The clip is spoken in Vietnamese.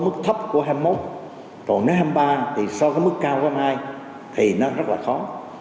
mức thấp của hai mươi một còn năm hai mươi ba thì so với mức cao của hai thì nó rất là khó